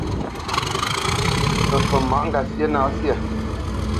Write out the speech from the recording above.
Fǝfot máʼ ŋgasyé na syâ.